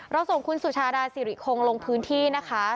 ส่งคุณสุชาดาสิริคงลงพื้นที่นะคะ